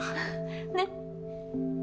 ねっ？